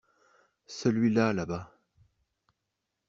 Celui-là là-bas.